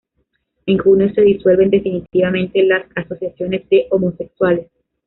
En junio se disuelven definitivamente las asociaciones de homosexuales.